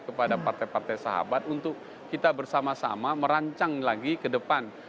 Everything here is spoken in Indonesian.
kepada partai partai sahabat untuk kita bersama sama merancang lagi ke depan